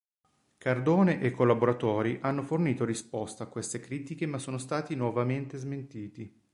Cardone e collaboratori hanno fornito risposta a queste critiche ma sono stati nuovamente smentiti.